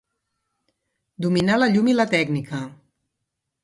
Dominà la llum i la tècnica.